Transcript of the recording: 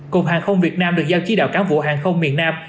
cục hàng không việt nam được giao chí đạo cán vụ hàng không miền nam